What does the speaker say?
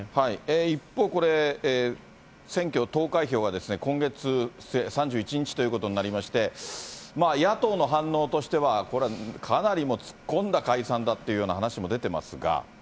一方、これ、選挙投開票は今月末、３１日ということになりまして、野党の反応としては、これ、かなり突っ込んだ解散だというような話も出てますが。